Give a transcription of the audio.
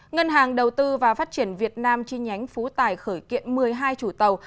ngân hàng đầu tư và phát triển việt nam chi nhánh phú tải khởi kiện một mươi hai chủ tàu